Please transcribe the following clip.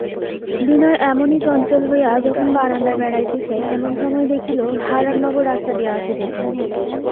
বিনয় এমনি চঞ্চল হইয়া যখন বারান্দায় বেড়াইতেছে এমন সময় দেখিল হারানবাবু রাস্তা দিয়া আসিতেছেন।